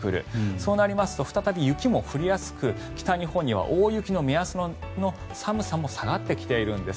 そうなりますと再び雪も降りやすく北日本には大雪の目安の寒さも下がってきているんです。